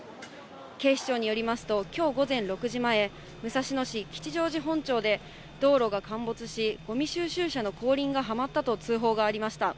警視庁によりますと、きょう午前６時前、武蔵野市吉祥寺本町で道路が陥没し、ごみ収集車の後輪がはまったと通報がありました。